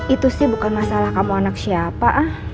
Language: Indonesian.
itu sih bukan masalah kamu anak siapa